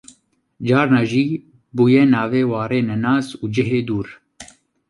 carna jî bûye navê warê nenas û cihê dûr